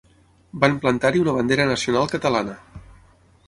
Van plantar-hi una bandera nacional catalana